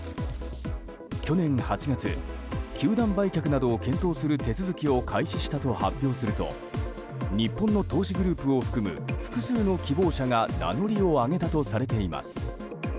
去年８月球団売却などを検討する手続きを開始したと発表すると日本の投資グループを含む複数の希望者が名乗りを上げたとされています。